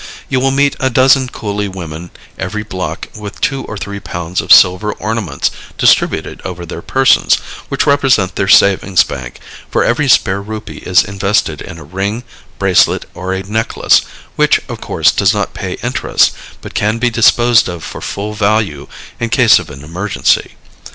You will meet a dozen coolie women every block with two or three pounds of silver ornaments distributed over their persons, which represent their savings bank, for every spare rupee is invested in a ring, bracelet or a necklace, which, of course, does not pay interest, but can be disposed of for full value in case of an emergency.